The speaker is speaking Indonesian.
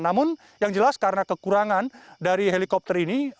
namun yang jelas karena kekurangan dari helikopter ini